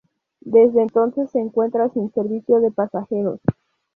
Desde entonces se encuentra sin servicio de pasajeros.